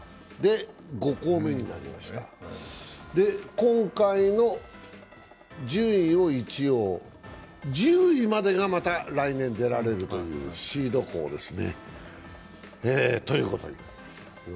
今回の順位ですが、１０位までがまた来年出られるというシード校ですね。